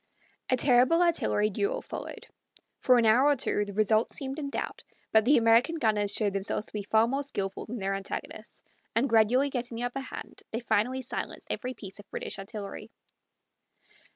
A terrible artillery duel followed. For an hour or two the result seemed in doubt; but the American gunners showed themselves to be far more skilful than their antagonists, and gradually getting the upper hand, they finally silenced every piece of British artillery.